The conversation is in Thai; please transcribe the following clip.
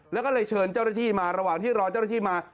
แล้วก็เลยเชิญเจ้าหน้าที่มาระหว่างที่รอเจ้าหน้าที่มา